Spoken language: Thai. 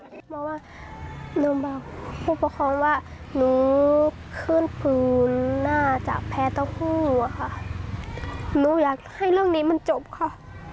เพราะว่าโรงพยาบาลผู้ประคองว่าหนูขึ้นฟื้นหน้าจากแพ้เต้าหู้อะค่ะหนูอยากให้เรื่องนี้มันจบค่ะ